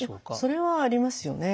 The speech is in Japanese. それはありますよね。